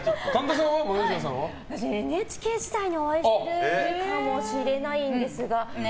ＮＨＫ時代にお会いしてるかもしれないんですが。